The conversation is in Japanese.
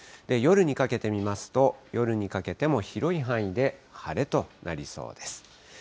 夜にかけて見ますと、夜にかけても広い範囲で晴れとなりそうです。